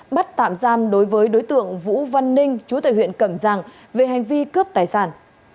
bắt tạm giam đối với đối tượng vũ văn ninh chú tại huyện cẩm giang về hành vi cướp tài sản